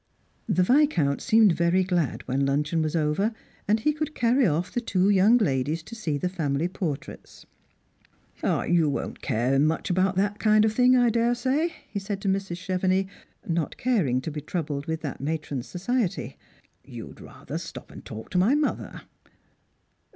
The Viscount seemed very glad when luncheon was over, and he could carry off the two young ladies to see the family portraits. " You won't care much about that kind of thing, I daresay," he said to Mr.s. Chevenix, not caring to be troubled with that matron's society; "you'd rather stop and talk to my mother."